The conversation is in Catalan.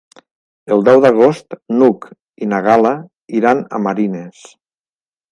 El deu d'agost n'Hug i na Gal·la iran a Marines.